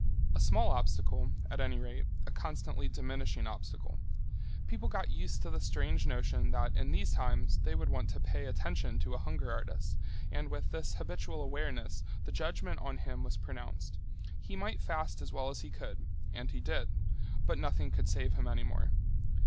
A small obstacle, at any rate, a constantly diminishing obstacle. People got used to the strange notion that in these times they would want to pay attention to a hunger artist, and with this habitual awareness the judgment on him was pronounced. He might fast as well as he could—and he did—but nothing could save him any more.